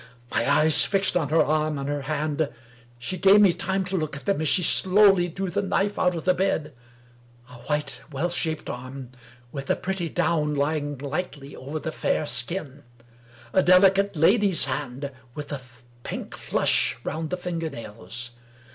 My eyes fixed on her arm and her hand — she gave me time to look at them as she slowly drew the knife out of the bed. A white, well shaped arm, with a pretty down lying lightly over the fair skin. A delicate lady's hand,, with a pink flush round the finger nails.